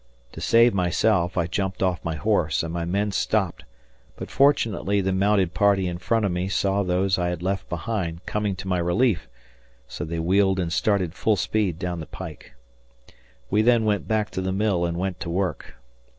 To save myself, I jumped off my horse and my men stopped, but fortunately the mounted party in front of me saw those I had left behind coming to my relief, so they wheeled and started full speed down the pike. We then went back to the mill and went to work.